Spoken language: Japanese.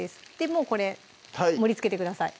もうこれ盛りつけてください